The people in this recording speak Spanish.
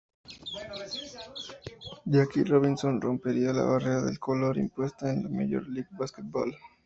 Jackie Robinson rompería la barrera del color impuesta en la Major League Baseball.